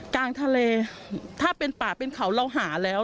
กลางทะเลถ้าเป็นป่าเป็นเขาเราหาแล้ว